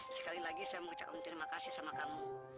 sekali lagi saya mengucapkan terima kasih sama kamu